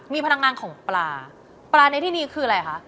มีพลังงานของปลาปลาในที่นี้คืออะไรคะ